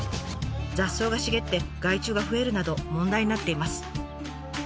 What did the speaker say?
雑草が茂って害虫が増えるなど問題になっています。